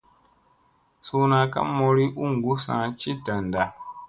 Suuna ka mooli u gussa ci danda.